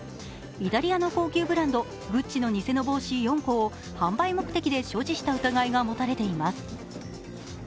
イタリアの高級ブランド、グッチの偽の帽子４個を販売目的で所持した疑いが持たれています。